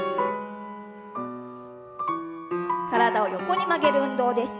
体を横に曲げる運動です。